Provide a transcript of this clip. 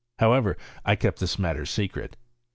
However, I kept this matter secret.